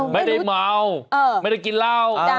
ไม่ได้เมาไม่ได้กินเหล้า